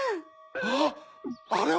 あっあれは！